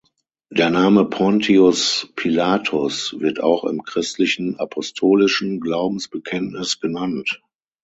Der Name "Pontius Pilatus" wird auch im christlichen apostolischen Glaubensbekenntnis genannt.